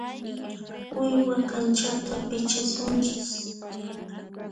Uywa kanchata pichasunchis.